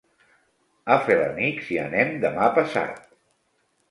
A Felanitx hi anem demà passat.